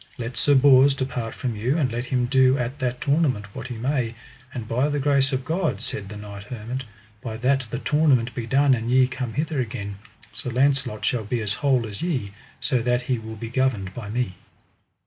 Let Sir Bors depart from you, and let him do at that tournament what he may: And by the grace of God, said the knight hermit, by that the tournament be done and ye come hither again, Sir Launcelot shall be as whole as ye, so that he will be governed by me.